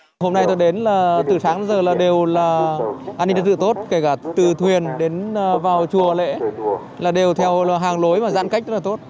từ sáng đến giờ là đều là an ninh tự tốt kể cả từ thuyền đến vào chùa lễ là đều theo hàng lối và giãn cách rất là tốt